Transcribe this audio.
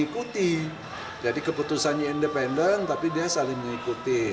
keputusan independen tapi dia saling mengikuti